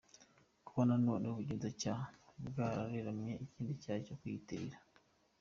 Kuba nanone ubugenzacyaha bwararemye ikindi cyaha cyo kwiyitirira